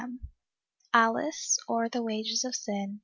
f ALICE; OR THE WAGES OF SIN.